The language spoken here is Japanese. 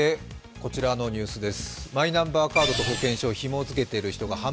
こちらのニュースです。